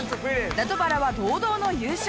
ラトバラは堂々の優勝。